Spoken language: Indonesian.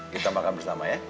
kita makan bersama ya